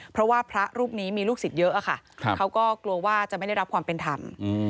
เพราะว่าพระรูปนี้มีลูกศิษย์เยอะค่ะเขาก็กลัวว่าจะไม่ได้รับความเป็นธรรม